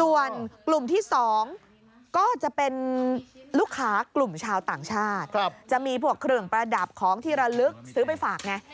ส่วนกลุ่มที่๒ก็จะเป็นลูกค้ากลุ่มชาวต่างชาติจะมีพวกเครื่องประดับของที่ระลึกซื้อไปฝากไง